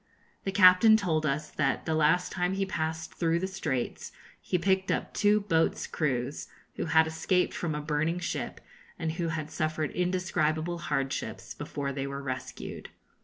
The captain told us that the last time he passed through the Straits he picked up two boats' crews, who had escaped from a burning ship, and who had suffered indescribable hardships before they were rescued.